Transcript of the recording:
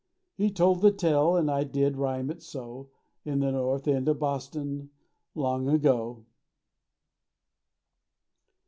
He told the tale and I did rhyme it so; In the North End of Boston, long ago.